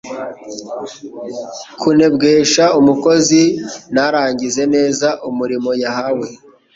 kunebwesha umukozi ntarangize neza umurimo yahawe.